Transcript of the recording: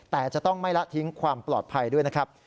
แต่จะต้องไม่ละทิ้งความปลอดภัยด้วยนะครับ